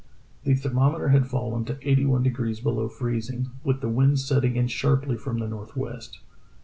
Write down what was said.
"The thermometer had fallen to eighty one degrees below freezing, with the wind setting in sharply from the northwest.